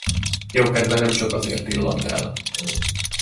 Jókedve nemcsak azért illant el.